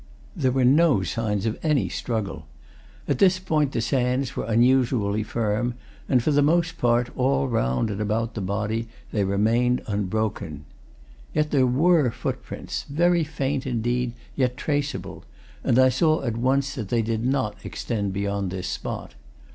There were no signs of any struggle. At this point the sands were unusually firm and for the most part, all round and about the body, they remained unbroken. Yet there were footprints, very faint indeed, yet traceable, and I saw at once that they did not extend beyond this spot.